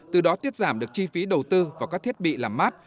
từ đó tiết giảm được chi phí đầu tư vào các thiết bị làm mát